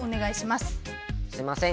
すいません。